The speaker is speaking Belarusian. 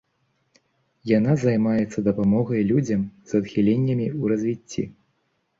Яна займаецца дапамогай людзям з адхіленнямі ў развіцці.